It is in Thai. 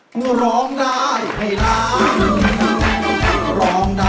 สวัสดีครับ